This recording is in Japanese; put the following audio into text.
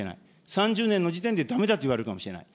３０年の時点でだめだといわれるかもしれない。